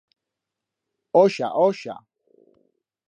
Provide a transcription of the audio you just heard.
Oixa!, oixa!